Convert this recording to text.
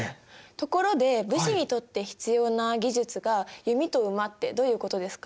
ところで武士にとって必要な技術が弓と馬ってどういうことですか？